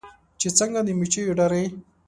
چې څنګه د مچېو ډلې